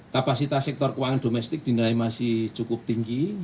kapasitas sektor keuangan domestik dinilai masih cukup tinggi